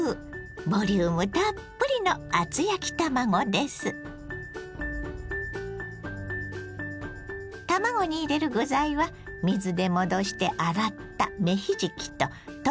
ボリュームたっぷりの卵に入れる具材は水で戻して洗った芽ひじきと鶏ひき肉。